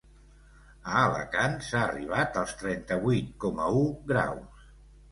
A Alacant s’ha arribat als trenta-vuit coma u graus.